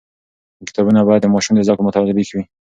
کتابونه باید د ماشوم د ذوق مطابق وي.